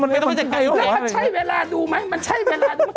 ไม่ต้องใช้เวลาดูไหมมันใช้เวลา